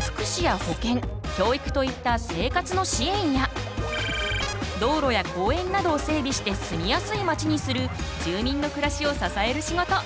福祉や保健教育といった生活の支援や道路や公園などを整備して住みやすいまちにする住民の暮らしを支える仕事。